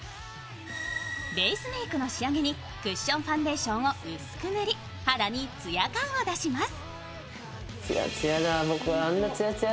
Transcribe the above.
ベースメークの仕上げにクッションファンデーションを薄く塗り肌につや感を出します。